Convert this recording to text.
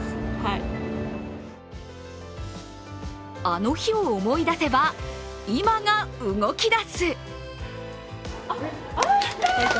あの日を思い出せば、今が動き出す。